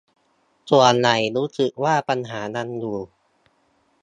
ส่วนใหญ่รู้สึกว่าปัญหายังอยู่